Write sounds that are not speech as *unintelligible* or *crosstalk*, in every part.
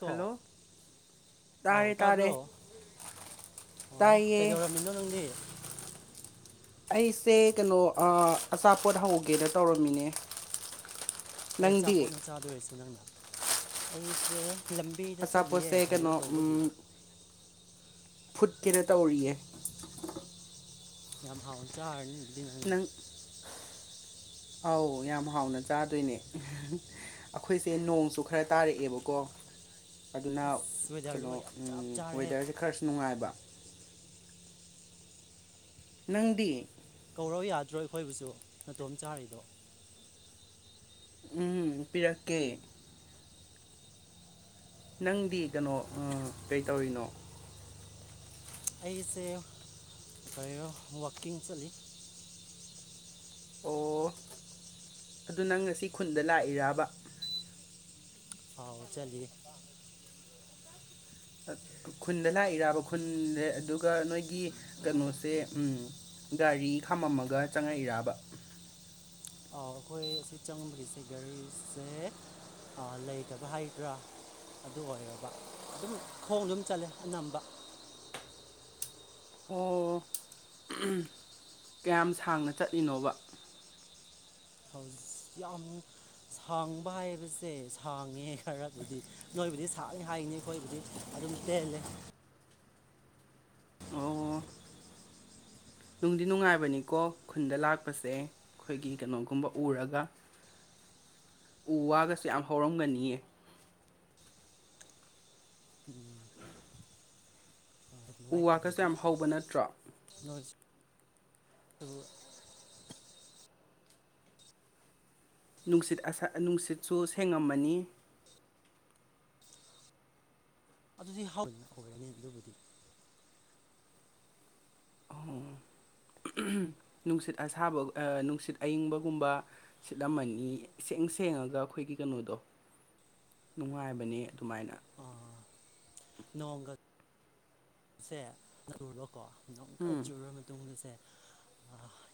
ꯀꯣ ꯍꯜꯂꯣ ꯑꯧ ꯇꯥꯔꯦ ꯇꯥꯕ꯭ꯔꯣ ꯇꯥꯔꯦ ꯑꯣ ꯇꯥꯏꯌꯦ ꯀꯩꯗꯧꯔꯝꯃꯤꯅꯣ ꯏꯣ ꯅꯪꯗꯤ ꯑꯩꯁꯦ ꯀꯩꯅꯣ ꯑꯆꯥꯄꯣꯠ ꯍꯧꯒꯦꯅ ꯇꯧꯔꯝꯃꯤꯅꯦ ꯀꯩ ꯅꯪꯗꯤ ꯑꯆꯥꯄꯣꯠꯅꯣ ꯆꯥꯗꯣꯏꯔꯤꯁꯦ ꯅꯪꯗ ꯑꯩꯁꯦ ꯂꯝ ꯕꯦꯗ ꯆꯠꯂꯤꯌꯦꯦ ꯑꯆꯥꯄꯣꯠꯁꯦ ꯀꯔꯤꯅꯣ ꯀꯩꯅꯣ ꯇꯧꯕꯒꯤ ꯎꯝ ꯐꯨꯠꯀꯦꯅ ꯇꯧꯔꯤꯌꯦ ꯌꯥꯝ ꯍꯥꯎꯅ ꯆꯥꯔꯅꯤꯕꯗꯤ ꯅꯪꯗꯤꯦ ꯅꯪ ꯑꯧ ꯌꯥꯝ ꯍꯥꯎꯅ ꯆꯥꯗꯣꯏꯅꯦ ꯑꯩꯈꯣꯏꯁꯦ ꯅꯣꯡꯁꯨ ꯈꯔ ꯇꯥꯔꯛꯑꯦꯕꯀꯣ ꯑꯗꯨꯅ ꯑꯁ ꯀꯩꯅꯣ ꯋꯦꯗꯔꯗꯨꯒ ꯌꯥꯝ ꯆꯞ ꯆꯥꯔꯦꯍꯦ ꯋꯦꯗꯔꯁꯦ ꯈꯔꯁꯨ ꯅꯨꯡꯉꯥꯏꯕ ꯅꯪꯗꯤ ꯀꯧꯔꯧ ꯌꯥꯗ꯭ꯔꯣ ꯑꯩꯈꯣꯏꯕꯨꯁꯨ ꯃꯇꯇꯣꯝ ꯆꯥꯔꯤꯗꯣ ꯎꯝ ꯄꯤꯔꯛꯀꯦ ꯅꯪꯗꯤ ꯀꯩꯅꯣ ꯀꯩꯇꯧꯔꯤꯅꯣ ꯑꯩꯁꯦ ꯀꯣ ꯋꯥꯛꯀꯤꯡ ꯆꯠꯂꯤ ꯑꯣ ꯑꯗꯨ ꯅꯪ ꯉꯁꯤ ꯈꯨꯟꯗ ꯂꯥꯛꯏꯔꯕ ꯑꯥꯎ ꯆꯂꯤꯦ ꯈꯨꯟꯗ ꯂꯥꯛꯏꯔꯕ ꯈꯨꯟꯗ ꯑꯗꯨꯒ ꯅꯣꯏꯒꯤ ꯀꯩꯅꯣꯁꯦ ꯒꯥꯔꯤ ꯈꯥꯝꯃꯝꯃꯒ ꯆꯪꯉꯛꯏꯔꯕ ꯑꯩꯈꯣꯏ ꯑꯁꯤ ꯆꯪꯕꯒꯤꯁꯦ ꯒꯥꯔꯤꯁꯦ ꯂꯩꯇꯕ ꯍꯥꯏꯗ꯭ꯔꯥ ꯑꯗꯨ ꯑꯣꯏꯔꯕ ꯑꯗꯨꯝ ꯈꯣꯡ ꯑꯗꯨꯝ ꯆꯠꯂꯦ ꯑꯅꯝꯕ ꯑꯣ ꯀꯌꯥꯝ ꯁꯥꯡꯅ ꯆꯠꯂꯤꯅꯣꯕ ꯌꯥꯝ ꯁꯥꯡꯕ ꯍꯥꯏꯕꯁꯦ ꯁꯥꯡꯉꯦ ꯈꯔ ꯑꯗꯨꯗꯤ ꯅꯣꯏꯕꯨꯗꯤ ꯁꯥꯅꯤ ꯍꯥꯏꯅꯤ ꯑꯩꯈꯣꯏꯕꯨꯗꯤ ꯑꯗꯨꯝ ꯇꯦꯜꯂꯦ ꯑꯣ ꯅꯨꯡꯗꯤ ꯅꯨꯡꯉꯥꯏꯕꯅꯤꯀꯣ ꯈꯨꯟꯗ ꯂꯥꯛꯄꯁꯦ ꯑꯩꯈꯣꯏꯒꯤ ꯀꯩꯅꯣꯒꯨꯝꯕ ꯎꯔꯒ ꯎ ꯋꯥꯒꯁꯦ ꯌꯥꯝ ꯍꯧꯔꯝꯒꯅꯤꯌꯦ ꯔ ꯅꯨꯡꯉꯥꯏ ꯎ ꯋꯥꯒꯁꯨ ꯑꯗꯨꯗꯤ ꯌꯥꯝ ꯍꯧꯕ ꯅꯠꯇ꯭ꯔꯣ ꯅ ꯅꯨꯡꯁꯤꯠ ꯑꯁ ꯅꯨꯡꯁꯤꯠꯁꯨ ꯁꯦꯡꯉꯝꯃꯅꯤ ꯑꯗꯨꯗꯤ ꯍꯥꯎꯏ ꯑꯩꯈꯣꯏ ꯑꯅꯦ ꯑꯗꯨꯕꯨꯗꯤ ꯑꯣ ꯅꯨꯡꯁꯤꯠ ꯑꯁꯥꯕ ꯅꯨꯡꯁꯤꯠ ꯑꯏꯤꯡꯕꯒꯨꯝꯕ ꯁꯤꯠꯂꯝꯃꯅꯤ ꯏꯁꯦꯡ ꯁꯦꯡꯉꯒ ꯑꯩꯈꯣꯏꯒꯤ ꯀꯩꯅꯣꯗꯣ ꯅꯨꯡꯉꯥꯏꯕꯅꯤ ꯑꯗꯨꯃꯥꯏꯅ ꯑ ꯅꯣꯡꯒꯁ ꯁꯦ ꯆꯨꯨꯔꯀꯣ ꯑꯃꯨꯛꯀ ꯎꯝ ꯆꯨꯔꯕ ꯃꯇꯨꯡꯗꯁꯦ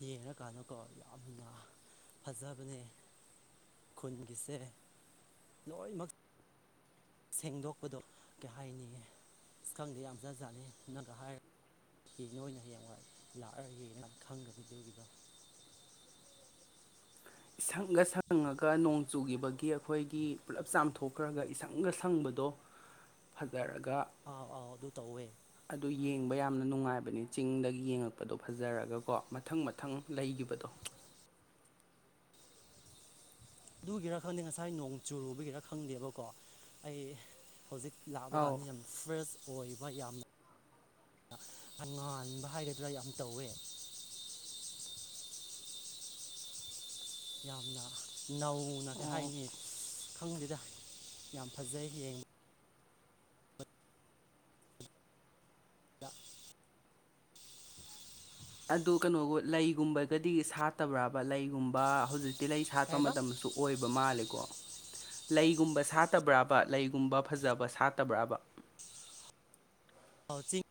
ꯌꯦꯡꯉꯀꯥꯟꯗꯀꯣ ꯌꯥꯝꯅ ꯐꯖꯕꯅꯦ ꯈꯨꯟꯒꯤꯁꯦ ꯂꯣꯏꯅꯃꯛ ꯁꯦꯡꯗꯣꯛꯄꯗꯣ ꯀꯩ ꯍꯥꯏꯅꯤꯌꯦ ꯈꯪꯗꯦ ꯌꯥꯝꯖꯖꯥꯠꯅꯤ ꯅꯪꯒ ꯍꯥꯏꯔ ꯌꯦ ꯅꯣꯏꯅ ꯍꯌꯦꯡꯋꯥꯏ ꯂꯥꯛꯑꯒ ꯌꯦꯡꯅ ꯈꯪꯒꯅꯤ ꯑꯗꯨꯒꯤꯗꯣ ꯁꯪꯉ ꯁꯪꯉꯒ ꯅꯣꯡ ꯆꯨꯈꯤꯕꯒꯤ ꯑꯩꯈꯣꯏꯒꯤ ꯄꯨꯂꯞ ꯆꯥꯝꯊꯣꯛꯈ꯭ꯔꯒ ꯏꯁꯪꯒ ꯁꯪꯕꯗꯣ ꯐꯖꯔꯒ ꯑꯥꯎ ꯑꯥꯎ ꯑꯗꯨ ꯇꯧꯋꯦ ꯑꯗꯨ ꯌꯦꯡꯕ ꯌꯥꯝꯅ ꯅꯨꯡꯉꯥꯏꯕꯅꯤ ꯆꯤꯡꯗꯒꯤ ꯌꯦꯡꯉꯛꯄꯗꯣ ꯐꯖꯔꯒꯀꯣ ꯃꯊꯪ ꯃꯊꯪ ꯂꯩꯒꯤꯈꯤꯕꯗꯣ ꯑꯗꯨꯒꯤꯔ ꯈꯪꯗꯦ ꯉꯁꯥꯏ ꯅꯣꯡ ꯆꯨꯔꯨꯕꯒꯤꯔ ꯈꯪꯗꯦꯕꯀꯣ ꯑꯩ ꯍꯧꯖꯤꯛ ꯂꯥꯛꯑꯕ ꯑꯥꯎ ꯀꯥꯟꯗ ꯌꯥꯝ ꯐ꯭ꯔꯦꯁ ꯑꯣꯏꯕ ꯌꯥꯝꯅ ꯑꯉꯥꯟꯕ ꯍꯥꯏꯒꯗ꯭ꯔꯥ ꯌꯥꯝ ꯇꯧꯋꯦ ꯌꯥꯝꯅ ꯅꯧꯅ ꯀꯩ ꯑꯣ ꯍꯥꯏꯅꯤ ꯈꯪꯗꯦꯗ ꯌꯥꯝ ꯐꯖꯩ ꯌꯦꯡꯕ ꯌꯥ ꯑꯗꯨ ꯀꯩꯅꯣꯒ ꯂꯩꯒꯨꯝꯕꯒꯗꯤ ꯁꯥꯠꯇꯕ꯭ꯔꯕ ꯂꯩꯒꯨꯝꯕ ꯍꯧꯖꯤꯛꯇꯤ ꯂꯩ ꯀꯩ ꯁꯥꯠꯄ ꯍꯥꯏꯕ ꯃꯇꯝꯗꯁꯨ ꯑꯣꯏꯕ ꯃꯥꯜꯂꯦꯀꯣ ꯂꯩꯒꯨꯝꯕ ꯁꯥꯠꯇꯕ꯭ꯔꯕ ꯂꯩꯒꯨꯝꯕ ꯐꯖꯕ ꯁꯥꯠꯇꯕ꯭ꯔꯕ ꯆꯤꯡ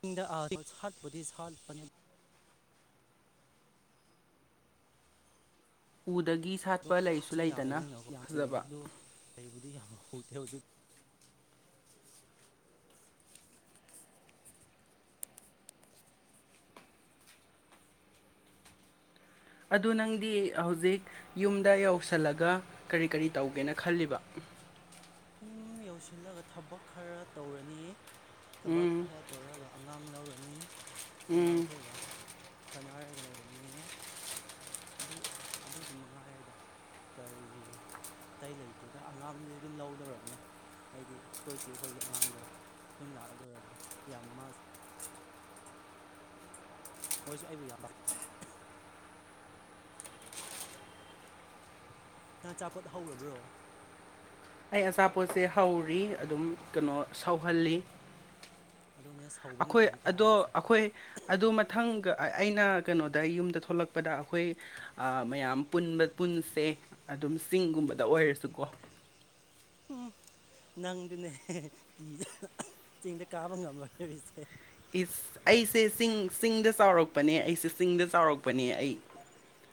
ꯆꯤꯡꯗ ꯁꯥꯠꯄꯗꯤ ꯁꯥꯠꯄꯅꯦ ꯎꯗꯒꯤ ꯁꯥꯠꯄ ꯂꯩꯁꯨ ꯑꯗꯣ ꯂꯩꯗꯅ ꯌꯥꯗ꯭ꯔꯕꯅꯤꯅ ꯌꯥꯝ ꯊꯦꯑ ꯐꯖꯕ ꯑꯗꯣ ꯂꯩꯕꯨꯗꯤ ꯌꯥꯝ ꯍꯨꯗꯦ ꯍꯧꯖꯤꯛ ꯑꯗꯨ ꯅꯪꯗꯤ ꯍꯧꯖꯤꯛ ꯌꯨꯝꯗ ꯌꯧꯁꯜꯂꯒ ꯀꯔꯤ ꯀꯔꯤ ꯇꯧꯒꯦꯅ ꯈꯜꯂꯤꯕ ꯌꯨꯝ ꯌꯧꯁꯤꯜꯂꯒ ꯊꯕꯛ ꯈꯔ ꯇꯧꯔꯅꯤ ꯊꯕꯛ ꯎꯝ ꯈꯔ ꯇꯧꯔꯒ ꯑꯉꯥꯡ ꯂꯧꯔꯅꯤ ꯎꯝ ꯑꯉꯥꯡꯈꯣꯏꯒ ꯁꯥꯟꯅꯔꯒ ꯂꯩꯔꯅꯤꯌꯦ ꯑꯗꯨ ꯑꯗꯨꯗ ꯃꯉꯥꯏꯔꯦꯗ ꯀꯔꯤ ꯑꯇꯩ ꯂꯩꯇꯦꯗ ꯑꯉꯥꯡꯗꯤ ꯑꯗꯨꯝ ꯂꯧ ꯂꯧꯔꯕꯅꯤ ꯍꯥꯏꯗꯤ ꯑꯩꯈꯣꯏ ꯏꯆꯦꯒꯤ ꯑꯉꯥꯡꯗꯣ ꯌꯨꯝ ꯂꯥꯛꯑꯗꯧꯔꯕꯅꯤ ꯌꯥꯝ ꯃꯥ ꯃꯣꯏꯁꯨ ꯑꯩꯕꯨ ꯌꯥꯕ ꯅꯪ ꯑꯆꯥꯄꯣꯠ ꯍꯧꯔꯕ꯭ꯔꯣ ꯑꯩ ꯑꯆꯥꯄꯣꯠꯁꯦ ꯍꯧꯔꯤ ꯑꯗꯨꯝ ꯀꯩꯅꯣ ꯁꯧꯍꯜꯂꯤ ꯑꯗꯨꯅꯦ ꯁꯧꯕ ꯑꯩꯈꯣꯏ ꯃꯈꯣꯟ ꯇꯥꯏ ꯑꯗꯣ ꯍꯥꯏꯁꯦ ꯑꯩꯈꯣꯏ ꯑꯗꯣ ꯃꯊꯪꯒ ꯑꯩꯅ ꯀꯩꯅꯣꯗ ꯌꯨꯝꯗ ꯊꯣꯛꯂꯛꯄ ꯆꯛꯄꯗ ꯑꯩꯈꯣꯏ ꯃꯌꯥꯝ ꯄꯨꯟꯕ ꯄꯨꯟꯁꯦ ꯑꯗꯨꯝ ꯆꯤꯡꯒꯨꯝꯕꯗ ꯑꯣꯏꯔꯁꯨꯀꯣ ꯎꯝ ꯅꯪꯗꯨꯅꯦ ꯀꯤ ꯆꯤꯡꯗ ꯀꯥꯕ ꯉꯝꯂꯣꯏꯗꯔꯤꯁꯦ ꯑꯩꯁꯦ ꯆꯤꯡ ꯆꯤꯡꯗ ꯆꯥꯎꯔꯛꯄꯅꯦ ꯑꯩꯁꯦ ꯆꯤꯡꯗ ꯆꯥꯎꯔꯛꯄꯅꯦ ꯑꯩ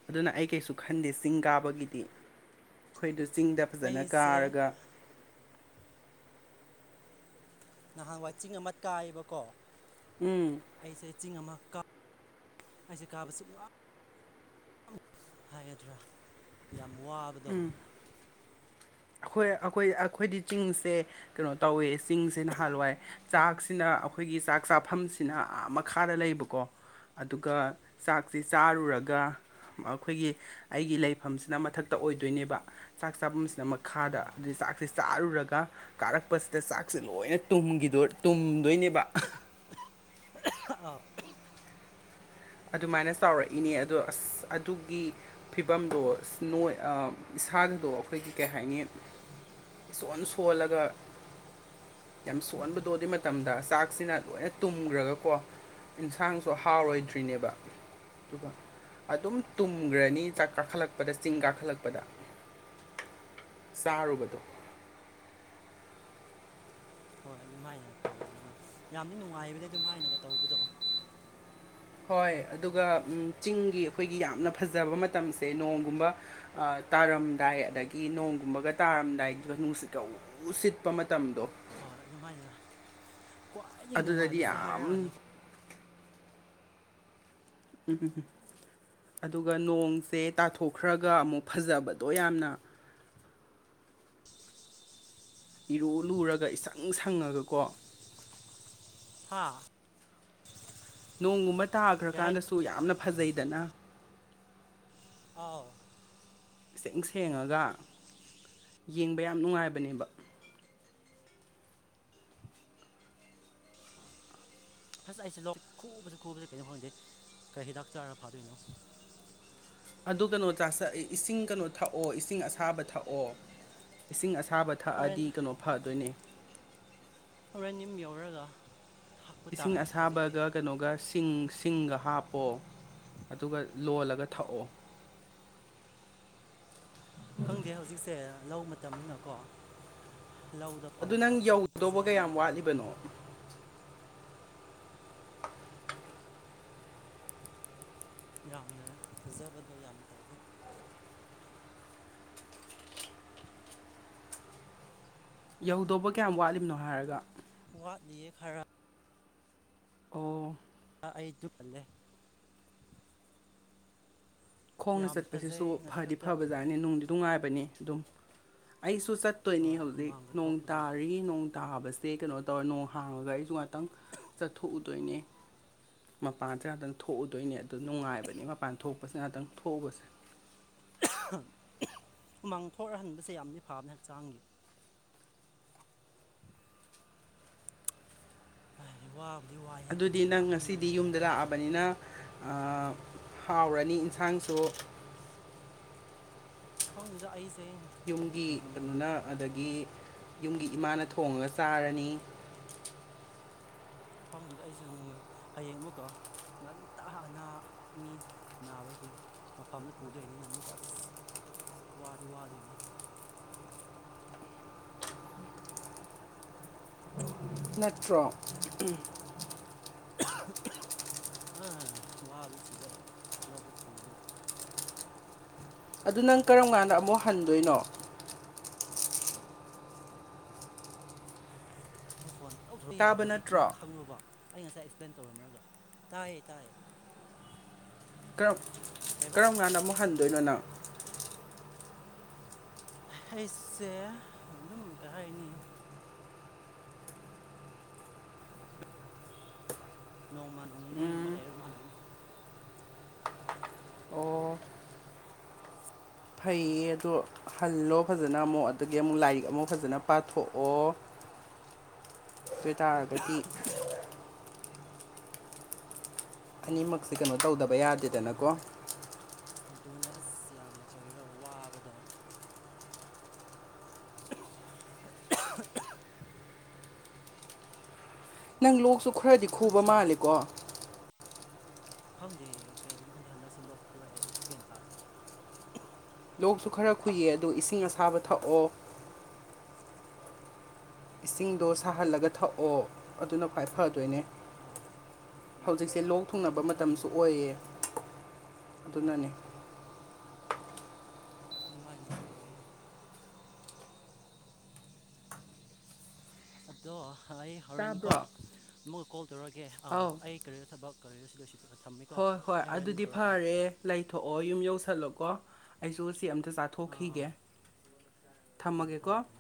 ꯑꯗꯨꯅ ꯑꯩ ꯀꯩꯁꯨ ꯈꯟꯗꯦ ꯆꯤꯡ ꯀꯥꯕꯒꯤꯗꯤ ꯑꯩꯈꯣꯏꯗ ꯆꯤꯡꯗ ꯐꯖꯅ ꯑꯩꯁꯦ ꯀꯥꯔꯒ ꯅꯍꯥꯟꯋꯥꯏ ꯆꯤꯡ ꯑꯃ ꯀꯥꯏꯌꯦꯕꯀꯣ ꯎꯝ ꯑꯩꯁꯦ ꯆꯤꯡ ꯑꯃ ꯀꯥ ꯑꯩꯁꯦ ꯀꯥꯕꯁꯨ ꯋꯥ ꯍꯥꯏꯒꯗ꯭ꯔꯥ ꯌꯥꯝ ꯋꯥꯕꯗꯣ ꯎꯝ ꯑꯩꯈꯣꯏ ꯑꯩꯈꯣꯏ ꯑꯩꯈꯣꯏꯗꯤ ꯆꯤꯡꯁꯦ ꯀꯩꯅꯣ ꯇꯧꯋꯦ ꯆꯤꯡꯁꯦ ꯅꯍꯥꯟꯋꯥꯏ ꯆꯥꯛ ꯆꯥꯛꯁꯤꯅ ꯑꯩꯈꯣꯏꯒꯤ ꯆꯥꯛ ꯆꯥꯐꯝꯁꯤꯅ ꯑ ꯃꯈꯥꯗ ꯂꯩꯕꯀꯣ ꯑꯗꯨꯒ ꯆꯥꯛꯁꯤ ꯆꯥꯔꯨꯔꯒ ꯑꯩꯈꯣꯏꯒꯤ ꯑꯩꯒꯤ ꯂꯩꯐꯝꯁꯤꯅ ꯃꯊꯛꯇ ꯑꯣꯏꯗꯣꯏꯅꯦꯕ ꯆꯥꯛ ꯆꯥꯐꯝꯁꯤꯅ ꯈꯥꯗ ꯑꯥ ꯑꯗꯨ ꯆꯥꯛꯁꯦ ꯆꯥꯔꯨꯔꯒ ꯀꯥꯔꯛꯄꯁꯤꯗ ꯆꯥꯛꯁꯦ ꯂꯣꯏꯅ ꯇꯨꯝꯗꯣꯏꯅꯦꯕ ꯑꯥꯎ ꯑꯗꯨꯃꯥꯏꯅ ꯆꯥꯎꯔꯛꯏꯅꯦ ꯑꯗꯣ ꯑꯁ ꯑꯗꯨꯒꯤ ꯐꯤꯕꯝꯗꯣ ꯅꯣꯏ ꯏꯁꯥꯗꯗꯣ ꯑꯩꯈꯣꯏꯒꯤ ꯀꯩ ꯍꯥꯏꯅꯤ ꯏꯁꯣꯟ ꯁꯣꯜꯂꯒ ꯌꯥꯝ ꯁꯣꯟꯕꯗꯣ ꯑꯗꯨ ꯃꯇꯝꯗ ꯆꯥꯛꯁꯤꯅ ꯂꯣꯏꯅ ꯇꯨꯝꯈ꯭ꯔꯒꯀꯣ ꯏꯟꯁꯥꯡ ꯁ ꯑꯥ ꯍꯥꯎꯔꯣꯏꯗ꯭ꯔꯤꯅꯦꯕ ꯑꯗꯨꯒ ꯑꯗꯨꯝ ꯇꯨꯝꯈ꯭ꯔꯅꯤꯛ ꯀꯥꯈꯠꯂꯛꯄꯗ ꯆꯤꯡ ꯀꯥꯈꯠꯂꯛꯄꯗ ꯆꯥꯔꯨꯕꯗꯣ ꯍꯣꯏ ꯑꯗꯨꯝ ꯃꯥꯏꯅ ꯇꯧꯕꯗꯣ ꯌꯥꯝꯅ ꯅꯨꯡꯉꯥꯏꯕꯅꯦ ꯑꯗꯨꯝ ꯃꯥꯏꯅꯒ ꯇꯧꯕꯗꯣ ꯍꯣꯏ ꯑꯗꯨꯒ ꯆꯤꯡꯒꯤ ꯑꯩꯈꯣꯏꯒꯤ ꯌꯥꯝꯅ ꯐꯖꯕ ꯃꯇꯝꯁꯦ ꯅꯣꯡꯒꯨꯝꯕ ꯇꯥꯔꯝꯗꯥꯏ ꯑꯗꯒꯤ ꯅꯣꯡꯒꯨꯝꯕꯒ ꯇꯥꯔꯝꯗꯥꯏꯗꯨꯗ ꯅꯨꯡꯁꯤꯜꯀ ꯎꯧ ꯎ ꯁꯤꯠꯄ ꯃꯇꯝꯗꯣ ꯍꯣꯏ ꯑꯗꯨꯃꯥꯏꯅ ꯈ꯭ꯋꯥꯏꯗꯒꯤ ꯑꯗꯨꯗꯗꯤ ꯅꯨꯡꯉꯥꯏꯕꯁꯦ ꯌꯥꯝ ꯍꯥꯏꯔꯛꯑꯅꯨꯀ ꯎꯝ ꯎꯝ ꯎ ꯑꯗꯨꯒ ꯅꯣꯡꯁꯦ ꯇꯥꯊꯣꯛꯈ꯭ꯔꯒ ꯑꯃꯨꯛ ꯐꯖꯕꯗꯣ ꯌꯥꯝꯅ ꯏꯔꯨ ꯂꯨꯔꯒ ꯏꯆꯪ ꯁꯪꯉꯒꯀꯣ ꯍꯥꯥ ꯅꯣꯡꯒꯨꯝꯕ ꯇꯥꯈ꯭ꯔꯀꯥꯟꯗꯁꯨ ꯌꯥꯝꯅ ꯐꯖꯩꯗꯅ ꯑꯥꯎ ꯏꯁꯦꯡ ꯁꯦꯡꯉꯒ ꯌꯦꯡꯕ ꯌꯥꯝ ꯅꯨꯡꯉꯥꯏꯕꯅꯦꯕ ꯑꯁ ꯑꯩꯁꯦ ꯂ ꯈꯨꯕꯁꯨ ꯈꯨꯕꯁꯦ ꯀꯩꯅꯣ ꯈꯪꯗꯦ ꯀꯔꯤ ꯍꯤꯗꯥꯛ ꯆꯥꯔꯒ ꯐꯥꯗꯣꯏꯅꯣ ꯑꯗꯨ ꯀꯩꯅꯣ ꯆꯥꯁꯛ ꯏꯁꯤꯡ ꯀꯩꯅꯣ ꯊꯛꯑꯣ ꯏꯁꯤꯡ ꯑꯁꯥꯕ ꯊꯛꯑꯣ ꯏꯁꯤꯡ ꯑꯁꯥ ꯊꯥꯕ ꯍꯣꯔꯦꯟ ꯊꯛꯑꯗꯤ ꯀꯩꯅꯣ ꯐꯗꯣꯏꯅꯦ ꯑꯣꯔꯦ ꯅꯤꯡꯝ ꯌꯧꯔꯒ ꯊꯥꯛꯄ ꯏꯁꯤꯡ ꯇꯥꯔꯦ ꯍꯧꯖꯤꯛꯇꯤ ꯑꯁꯥꯕꯒ ꯀꯩꯅꯣꯒ ꯆꯤꯡ ꯁꯤꯡꯒ ꯍꯥꯞꯄꯣ ꯑꯗꯨꯒ ꯂꯣꯜꯂꯒ ꯑꯥꯎ ꯊꯛꯑꯣ ꯈꯪꯗꯦ ꯍꯧꯖꯤꯛꯁꯦ ꯂꯧ ꯃꯇꯝꯅꯤꯅꯀꯣ ꯂꯧꯗ ꯐꯧ ꯑꯗꯨ ꯅꯪ ꯊꯥꯕꯁꯤ ꯌꯥꯝ ꯌꯧꯗꯧꯕ ꯐꯖꯩ ꯀꯌꯥꯝ ꯋꯥꯠꯂꯤꯕꯅꯣ ꯌꯥꯝꯅ ꯐꯖꯕꯗꯣ ꯌꯥꯝ ꯇꯧꯋꯤ ꯌꯧꯗꯧꯕ ꯀꯌꯥꯝ ꯋꯥꯠꯂꯤꯕꯅꯣ ꯍꯥꯏꯔꯒ ꯋꯥꯠ ꯂꯌꯦ ꯈꯔꯞ ꯑꯣ ꯑꯩ ꯄꯂꯦ ꯈꯣꯡꯅ ꯌꯥꯝꯅ ꯆꯠꯄꯁꯤꯁꯨ ꯐꯖꯩ ꯉꯁꯤ ꯐꯗꯤ ꯈꯛꯇ ꯐꯕ ꯖꯥꯠꯅꯦ ꯅꯨꯡꯗꯨ ꯅꯨꯡꯉꯥꯏꯕꯅꯦ ꯑꯗꯨꯝ ꯑꯩꯁꯨ ꯆꯠꯇꯣꯏꯅꯤ ꯍꯧꯖꯤꯛ ꯍꯨꯃꯥꯡꯒ ꯅꯣꯡ ꯊꯣꯛꯄꯗꯣ ꯇꯥꯔꯤ ꯅ ꯇꯥꯕꯁꯦ ꯀꯩꯅꯣ ꯇꯧꯔ ꯅꯣꯡ ꯍꯥꯡꯉꯒ ꯑꯩꯁꯨ ꯉꯥꯛꯇꯪ ꯆꯠꯊꯣꯛꯎꯗꯣꯏꯅꯦ ꯃꯄꯥꯟꯁꯤ ꯉꯍꯥꯛꯇꯪ ꯊꯣꯛꯎꯗꯣꯏꯅꯦ ꯑꯗꯨ ꯅꯨꯡꯉꯥꯏꯕꯅꯦ ꯃꯄꯥꯟ ꯊꯣꯛꯄꯁꯤ ꯉꯍꯥꯛꯇꯪ ꯊꯣꯛꯎꯕꯁꯦ ꯎꯃꯥꯡ ꯊꯣꯛꯍꯟꯕꯁꯦ ꯌꯥꯝꯅ ꯐꯕꯅꯦ ꯍꯛꯆꯥꯡꯒꯤ ꯑ ꯋꯥꯕꯗꯤ ꯋꯥ ꯑꯗꯨꯗꯤ ꯅꯪ ꯉꯁꯤꯗꯤ ꯌꯨꯝꯗ ꯂꯥꯛꯑꯕꯅꯤꯅ ꯍꯥꯎꯔꯅꯤ ꯌꯦꯟꯁꯥꯡꯁꯨ ꯈꯪꯉꯗ ꯑꯩꯁꯦ ꯌꯨꯝꯒꯤ ꯀꯩꯅꯅ ꯑꯗꯒꯤ ꯌꯨꯝꯒꯤ ꯏꯃꯥꯅ ꯊꯣꯡꯉꯒ ꯆꯥꯔꯅꯤ ꯐꯝꯁꯤꯗ ꯑꯩꯁꯦ ꯍꯌꯦꯡ ꯑꯃꯨꯛꯀꯛ ꯉꯟꯇꯅꯥ ꯃꯤ ꯅꯥꯕꯒꯤ ꯃꯐꯝꯗ ꯄꯨꯗꯣꯏꯅꯤꯅ ꯑꯃꯨꯛꯀ ꯑꯁ ꯋꯥꯗꯤ ꯋꯥꯗꯣꯏꯅꯤ ꯅꯠꯇ꯭ꯔꯣ ꯑꯥ ꯋꯥꯗꯨ ꯁꯤꯔꯛꯑꯦ ꯂꯧꯗꯨ ꯊꯣꯡꯕꯗ ꯑꯗꯨ ꯅꯪ ꯀꯔꯝ ꯀꯥꯟꯗ ꯑꯃꯨꯛ ꯍꯟꯗꯣꯏꯅꯣ ꯑꯩꯅ ꯐꯣꯟ ꯇꯧꯊꯣꯛꯄ ꯇꯥꯕ ꯌꯥꯗ꯭ꯔꯗꯤ ꯃꯥ ꯅꯠꯇ꯭ꯔꯣ ꯈꯪꯔꯨꯕ ꯑꯩ ꯉꯁꯥꯏ ꯑꯦꯛꯁꯄ꯭ꯂꯦꯟ ꯇꯧꯔꯝꯃꯂꯒ ꯇꯥꯏꯌꯦ ꯇꯥꯏꯌꯦ ꯀꯔꯝ ꯀꯩꯕꯥ ꯀꯔꯝ ꯀꯥꯟꯗ ꯑꯃꯨꯛ ꯍꯟꯗꯣꯏꯅꯣꯅ ꯑꯩꯁꯦ ꯑꯗꯨꯝ ꯀꯩ ꯍꯥꯏꯅꯤ ꯅꯣꯡꯃꯥ ꯅꯣꯡꯅꯤꯕ ꯎꯝ ꯂꯩ ꯃꯍꯜꯂꯅꯤ ꯑꯣ ꯐꯩꯌꯦ ꯑꯗꯣ ꯍꯜꯂꯣ ꯐꯖꯅ ꯑꯃꯨꯛ ꯑꯗꯒꯤ ꯑꯃꯨꯛ ꯂꯥꯏꯔꯤꯛ ꯑꯃꯨꯛ ꯐꯖꯅ ꯄꯥꯊꯣꯛꯑꯣ *unintelligible* ꯀ ꯇꯥꯒꯗꯤ ꯑꯅꯤꯃꯛꯁꯦ ꯀꯩꯅꯣ ꯇꯧꯗꯕ ꯌꯥꯗꯦꯗꯅꯀꯣ ꯑꯗꯨꯅꯦ ꯑꯁ ꯌꯥꯝꯅ ꯀꯔꯤꯔꯣ ꯋꯥꯕꯗꯣ ꯅꯪ ꯂꯣꯛꯁꯨ ꯈꯔꯗꯤ ꯅꯪ ꯈꯨꯕ ꯁꯥꯗ ꯃꯥꯜꯂꯦꯀꯣ ꯈꯪꯗꯦ ꯀꯩꯒꯤꯅꯣ ꯈꯪꯗꯦ ꯍꯟꯗꯛꯁꯦ ꯂꯣꯛ ꯈꯨꯔꯛꯑꯦ ꯑꯩꯁꯨ ꯒ꯭ꯌꯥꯟ ꯇꯥꯗꯦ ꯂꯣꯛꯁꯨ ꯈꯔ ꯈꯨꯏꯌꯦ ꯑꯗꯣ ꯏꯁꯤꯡ ꯑꯁꯥꯕ ꯊꯛꯑꯣ ꯏꯁꯤꯡꯗꯣ ꯁꯥꯍꯜꯂꯒ ꯊꯛꯑꯣ ꯑꯗꯨꯅ ꯈ꯭ꯋꯥꯏ ꯐꯗꯣꯏꯅꯦ ꯑꯥ ꯍꯧꯖꯤꯛꯁꯦ ꯂꯣꯛ ꯊꯨꯡꯅꯕ ꯑꯩꯁꯨ ꯃꯇꯝꯁꯨ ꯈꯜꯂꯤꯅꯦ ꯑꯣꯏꯌꯦ ꯑꯗꯨꯅꯅꯦ ꯑꯗꯨꯃꯥꯏꯅꯁꯨ ꯑꯣꯏꯌꯦ ꯑꯗꯣ ꯑꯩ ꯍꯣꯔꯦꯟ ꯀꯣ ꯇꯥꯕ꯭ꯔꯣ ꯑꯃꯨꯛꯀ ꯀꯣꯜ ꯇꯧꯔꯛꯒꯦ ꯑ ꯑꯧ ꯑꯩ ꯀꯔꯤꯔ ꯊꯕꯛ ꯀꯔꯤꯔ ꯁꯤꯗꯤ ꯑꯁꯤꯗꯒ ꯊꯝꯃꯤ ꯍꯣꯏ ꯍꯣꯏ ꯑꯗꯨꯗꯤ ꯐꯔꯦ ꯂꯩꯊꯣꯛꯑꯣ ꯌꯨꯝ ꯌꯧꯁꯜꯂꯣꯀꯣ ꯑꯩꯁꯨ ꯁꯤ ꯑꯝꯇ ꯆꯥ__ ꯑꯥ ꯑꯥ ꯊꯣꯛꯈꯤꯒꯦ ꯎꯝ ꯊꯝꯃꯒꯦꯀꯣ ꯊꯝꯃꯦ ꯊꯝꯃꯦ